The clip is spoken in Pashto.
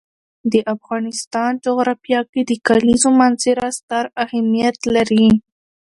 د افغانستان جغرافیه کې د کلیزو منظره ستر اهمیت لري.